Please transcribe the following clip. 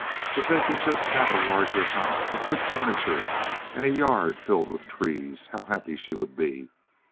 If they could just have a larger house, with good furniture and a yard filled with trees, how happy she would be.